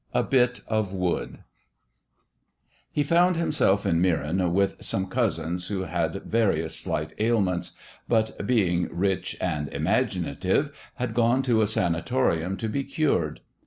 XII A BIT OF WOOD He found himself in Meran with some cousins who had various slight ailments, but, being rich and imaginative, had gone to a sanatorium to be cured.